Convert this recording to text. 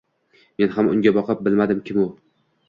Men ham unga boqib bilmadim kim u